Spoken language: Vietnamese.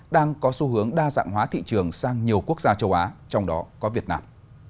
đang có xu hướng đa dạng hóa thị trường sang nhiều quốc gia châu á trong đó có việt nam